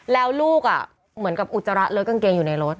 แล้วลูกเหมือนกับอุจจาระเลิศกางเกงอยู่ในรถ